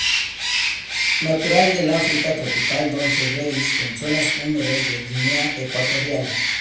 Natural del África tropical donde crece en zonas húmedas de Guinea Ecuatorial.